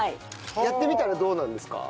やってみたらどうなんですか？